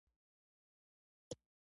په جنګونو کې د ودانیو ویجاړیو تر څنګ.